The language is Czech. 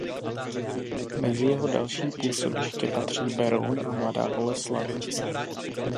Mezi jeho další působiště patří Beroun a Mladá Boleslav.